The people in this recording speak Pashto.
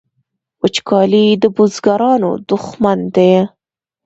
وچکالي د بزګرانو دښمن ده